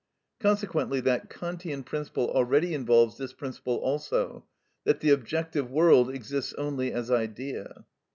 Consequently that Kantian principle already involves this principle also, that the objective world exists only as idea.